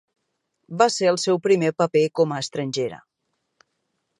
Va ser el seu primer paper com a estrangera.